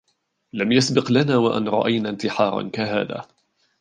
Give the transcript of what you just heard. لم يسبق لنا و أن رأينا انتحارا كهذا.